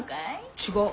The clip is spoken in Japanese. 違う。